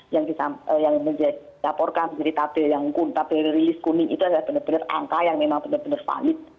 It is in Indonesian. yang bisa diaporkan jadi tabel yang kun tabel yang rilis kuning itu adalah benar benar angka yang memang benar benar valid